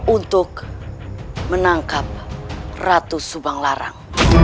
untuk menangkap ratus subang larang